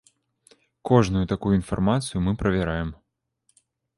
Кожную такую інфармацыю мы правяраем.